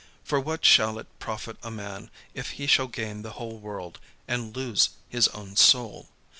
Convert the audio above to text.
For what shall it profit a man, if he shall gain the whole world, and lose his own soul?